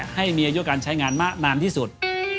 ให้มีอายุการใช้งานมากนานที่สุด